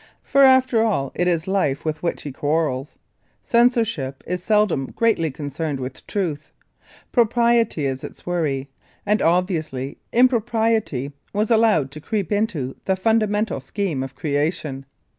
For after all it is life with which he quarrels. Censorship is seldom greatly concerned with truth. Propriety is its worry and obviously impropriety was allowed to creep into the fundamental scheme of creation.